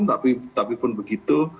tapi pun begitu